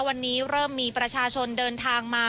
วันนี้เริ่มมีประชาชนเดินทางมา